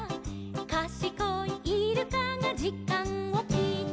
「かしこいイルカがじかんをきいた」